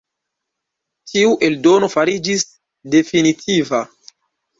Tiu eldono fariĝis definitiva.